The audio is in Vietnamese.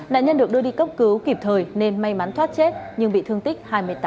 nạn nhân được đưa đi cấp cứu kịp thời nên may mắn thoát chết nhưng bị thương tích hai mươi tám